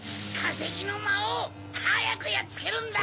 せきのまおうはやくやっつけるんだ！